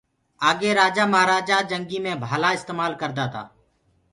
آگي رآجآ مآهرآجآ جنگيٚ مي ڀآلآ استمآل ڪردآ تآ۔